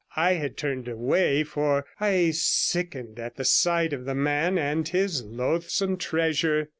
I had turned away, for I sickened at the sight of the man and his loathsome treasure.